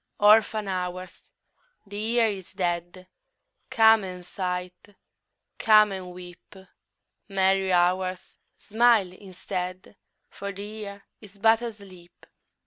Orphan Hours, the Year is dead, Come and sigh, come and weep! Merry Hours, smile instead, For the Year is but asleep.